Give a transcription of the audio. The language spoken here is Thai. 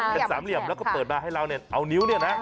เป็นสามเหนี่ยมแล้วก็เปิดมาเอานิ้วนี่นะ